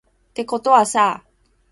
てことはさ